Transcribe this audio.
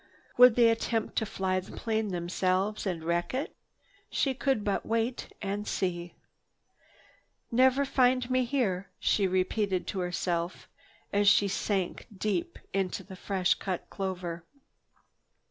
Would they attempt to fly the plane themselves and wreck it? She could but wait and see. "Never find me here," she repeated to herself as she sank deep into the fresh cut clover.